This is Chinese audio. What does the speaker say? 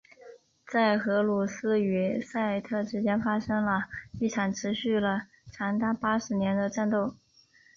在荷鲁斯与赛特之间发生了一场持续了长达八十年的战斗。